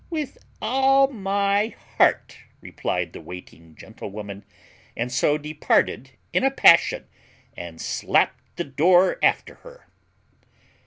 "With all my heart," replied the waiting gentlewoman; and so departed in a passion, and slapped the door after her.